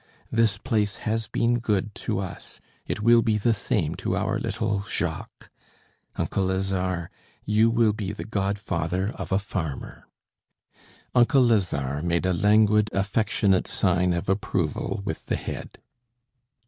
This place has been good to us, it will be the same to our little Jacques. Uncle Lazare, you will be the godfather of a farmer." Uncle Lazare made a languid, affectionate sign of approval with the head.